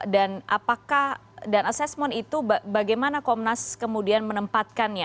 dan apakah dan assessment itu bagaimana komnas kemudian menempatkannya